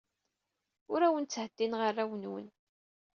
Ur awen-ttheddineɣ arraw-nwen.